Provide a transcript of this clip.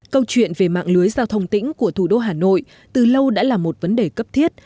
câu chuyện về mạng lưới giao thông tỉnh của thủ đô hà nội từ lâu đã là một vấn đề cấp thiết